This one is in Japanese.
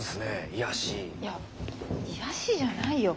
いや癒やしじゃないよ。